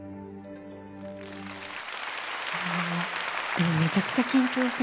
でもめちゃくちゃ緊張してました